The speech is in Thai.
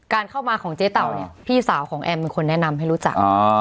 เข้ามาของเจ๊เต่าเนี่ยพี่สาวของแอมเป็นคนแนะนำให้รู้จัก